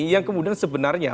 yang kemudian sebenarnya